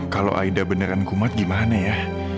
kalau aida beneran kumat gimana ya